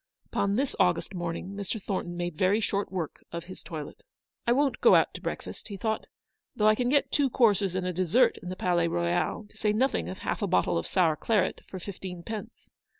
Upon this August morning Mr. Thornton made very short work of his toilet. "I won't go out to breakfast," he thought, " though I can get two courses and a dessert in the Palais Royal, to say nothing of half a bottle of sour claret, for fifteen pence.